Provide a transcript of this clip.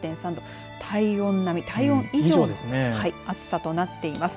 体温並み以上の暑さとなっています。